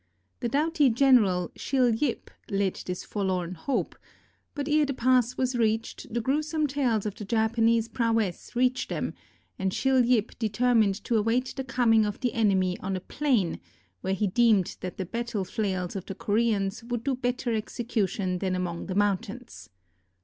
The doughty general, Sil Yip, led this forlorn hope, but ere the pass was reached the gruesome tales of the Japanese prowess reached them, and Sil Yip determined to await the coming of the enemy on a plain, where he deemed that the battle flails of the Koreans would do better execution than among the moimtains.